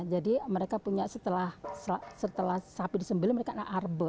jadi mereka punya setelah sapi disembeli mereka ada arbe